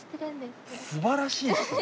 すばらしいですね。